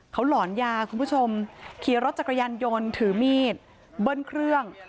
เขาหลอนยาคุณผู้ชมขี่รถจักรยานยนต์ถือมีดเบิ้ลเครื่อง